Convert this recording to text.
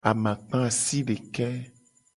Amakpa asideke.